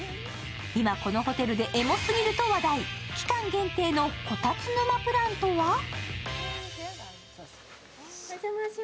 今、このホテルでエモすぎると話題期間限定のこたつ沼プラントは？